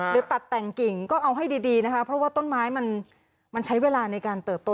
หรือตัดแต่งกิ่งก็เอาให้ดีนะคะเพราะว่าต้นไม้มันใช้เวลาในการเติบโต